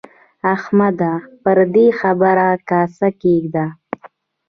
احمده! پر دې خبره کاسه کېږده.